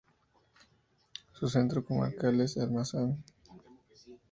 Su centro comarcal es Almazán.